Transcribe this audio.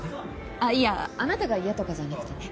あっいやあなたが嫌とかじゃなくてね。